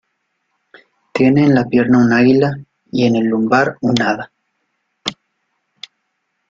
Tiene en la pierna un águila, y en el lumbar un hada.